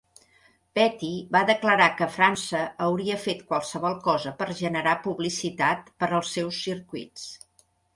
Petty va declarar que França hauria fet qualsevol cosa per generar publicitat per als seus circuits.